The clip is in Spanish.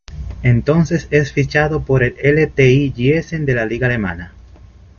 Entonces es fichado por el L Ti Giessen de la liga alemana.